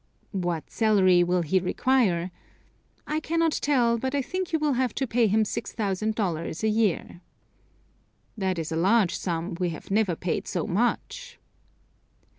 "What salary will he require?" "I cannot tell, but I think you will have to pay him $6,000 a year." "That is a large sum; we have never paid so much."